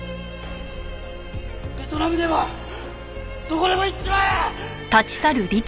ベトナムでもどこでも行っちまえ！